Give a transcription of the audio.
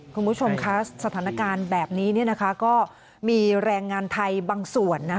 คุณผู้ชมคะสถานการณ์แบบนี้ก็มีแรงงานไทยบางส่วน